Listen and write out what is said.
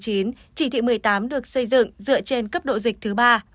chỉ thị một mươi tám được xây dựng dựa trên cấp độ dịch thứ ba